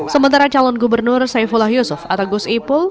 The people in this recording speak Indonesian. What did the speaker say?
sementara calon gubernur saifullah yusuf atau gus ipul